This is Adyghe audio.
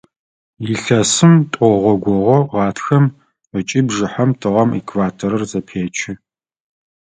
Илъэсым тӀогъогогъо – гъатхэм ыкӀи бжыхьэм тыгъэм экваторыр зэпечы.